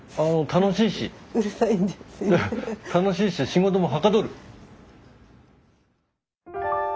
楽しいし仕事もはかどる。